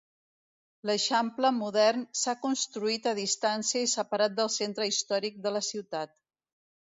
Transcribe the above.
L'eixample modern s'ha construït a distància i separat del centre històric de la ciutat.